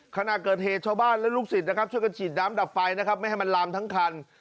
ขณะเกิดเหตุชาวบ้านและลูกศิษย์นะครับช่วยกันฉีดน้ำดับไฟนะครับไม่ให้มันลามทั้งคัน